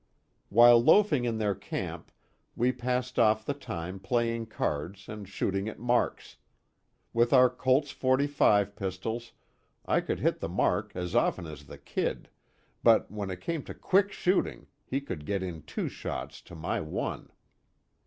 While loafing in their camp, we passed off the time playing cards and shooting at marks. With our Colt's 45 pistols I could hit the mark as often as the "Kid," but when it came to quick shooting, he could get in two shots to my one.